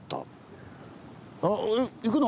あえっ行くの？